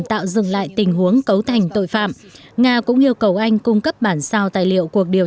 tạo dựng lại tình huống cấu thành tội phạm nga cũng yêu cầu anh cung cấp bản sao tài liệu cuộc điều